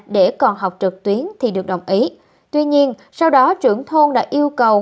để còn học trực tuyến thì được đồng ý tuy nhiên sau đó trưởng thôn đã yêu cầu